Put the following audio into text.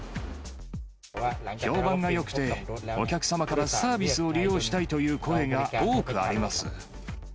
評判がよくて、お客様からサービスを利用したいという声が多くあります。